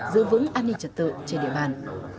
giữ vững an ninh trật tự trên địa bàn